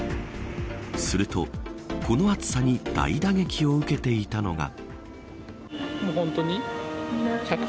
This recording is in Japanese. すると、この暑さに大打撃を受けていたのが。